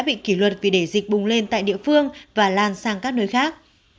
bị kỷ luật vì để dịch bùng lên tại địa phương và lan sang các nơi khác